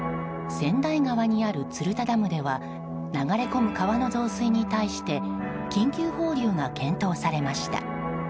千代川にある鶴田ダムでは流れ込む川の増水に対して緊急放流が検討されました。